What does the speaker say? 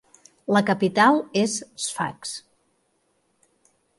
La capital és Sfax.